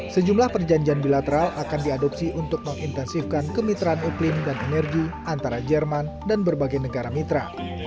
sejumlah perjanjian bilateral akan diadopsi untuk mengintensifkan kemitraan iklim dan energi antara jerman dan berbagai negara mitra